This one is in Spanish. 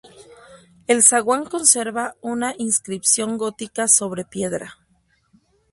El zaguán conserva una inscripción gótica sobre piedra.